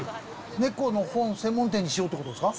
猫の本、専門店にしようってことですか？